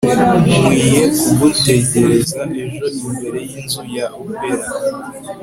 nkwiye kugutegereza ejo imbere yinzu ya opera